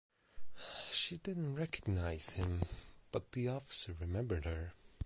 She didn’t recognize him but the officer remembered her.